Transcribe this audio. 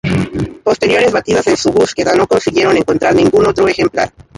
Posteriores batidas en su búsqueda no consiguieron encontrar ningún otro ejemplar.